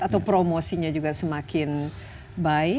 atau promosinya juga semakin baik